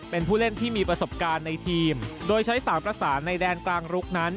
เป็นผู้เล่นที่มีประสบการณ์ในทีมโดยใช้สามประสานในแดนกลางลุกนั้น